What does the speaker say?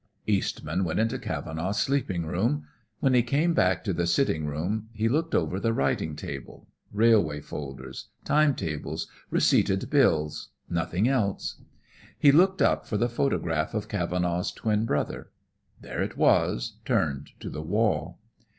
Eastman went into Cavenaugh's sleeping room. When he came back to the sitting room, he looked over the writing table; railway folders, time tables, receipted bills, nothing else. He looked up for the photograph of Cavenaugh's twin brother. There it was, turned to the wall.